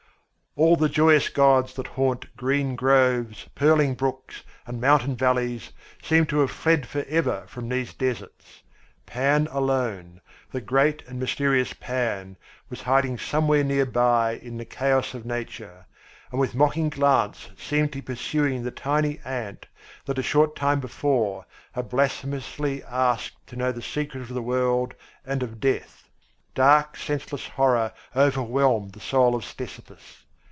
All the joyous gods that haunt green groves, purling brooks, and mountain valleys seemed to have fled forever from these deserts. Pan alone, the great and mysterious Pan, was hiding somewhere nearby in the chaos of nature, and with mocking glance seemed to be pursuing the tiny ant that a short time before had blasphemously asked to know the secret of the world and of death. Dark, senseless horror overwhelmed the soul of Ctesippus.